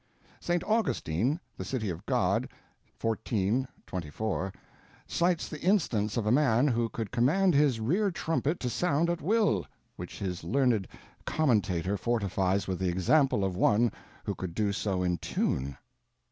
St. Augustine (The City of God, XIV:24) cites the instance of a man who could command his rear trumpet to sound at will, which his learned commentator fortifies with the example of one who could do so in tune!